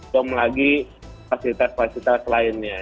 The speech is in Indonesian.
sama lagi kapasitas kapasitas lainnya